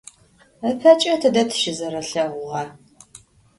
Ipeç'e tıde tışızerelheğuğa?